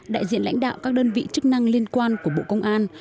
đại diện lãnh đạo các đơn vị chức năng liên quan của bộ công an